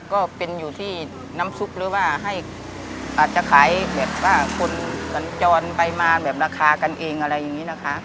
ก็เป็นอยู่ที่น้ำซุปหรือว่าให้อาจจะขายแบบว่าคนสัญจรไปมาแบบราคากันเองอะไรอย่างนี้นะคะ